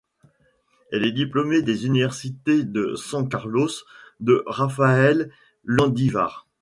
Elle est diplômée des universités de San Carlos et Rafael Landivar.